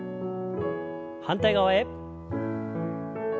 反対側へ。